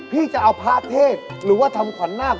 พี่จะเอาพระเทศหรือว่าทำขวัญนาค